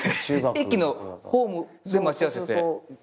駅のホームで待ち合わせて。